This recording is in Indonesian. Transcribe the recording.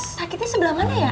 sakitnya sebelah mana ya